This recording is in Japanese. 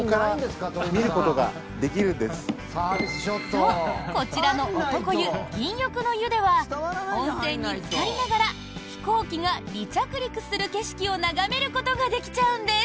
そうこちらの男湯、銀翼の湯では温泉につかりながら飛行機が離着陸する景色を眺めることができちゃうんです。